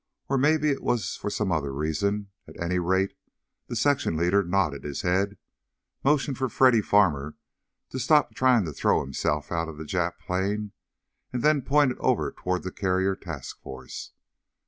Or maybe it was for some other reason. At any rate, the section leader nodded his head, motioned for Freddy Farmer to stop trying to throw himself out of the Jap plane, and then pointed over toward the carrier task force.